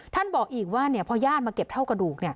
บอกอีกว่าพอญาติมาเก็บเท่ากระดูก